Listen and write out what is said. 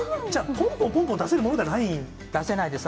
ぽんぽんぽんぽん出せるもの出せないです。